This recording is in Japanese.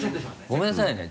ごめんなさいね